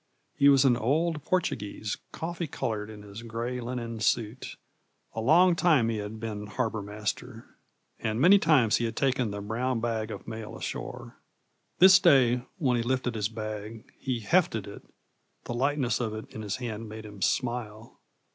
He was an old Portuguese, coffee colored in his gray linen suit. A long time he had been harbor master, and many times he had taken the brown bag of mail ashore. This day, when he lifted his bag, he 'hefted' it: the lightness of it in his hand made him smile.